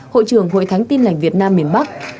hội trưởng hội thánh tin lành việt nam miền bắc